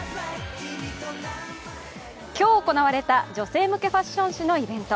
今日行われた女性向けファッション誌のイベント。